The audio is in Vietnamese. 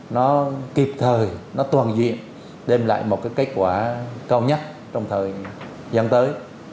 nó kịp thời nó toàn diện đem lại một cái kết quả cao nhất trong thời gian tới